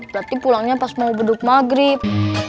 berarti pulangnya pas mau beduk maghrib